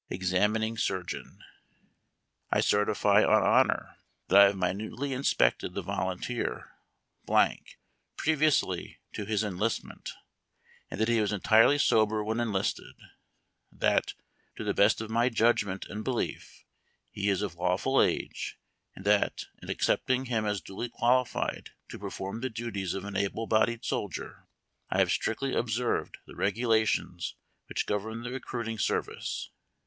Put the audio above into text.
Examining Surgeon. I CERTIFY, ON HONOR, That I have minutely inspected the Vol unteer, previously to his enlistment, and that he was entirely sober Avhen enlisted; that, to the best of my judgment and belief, he is of lawful age ; and that, in accepting him as duly qualified to perform the duties of an able bodied soldier, I have strictly observed the Regulations which govern the recruiting service.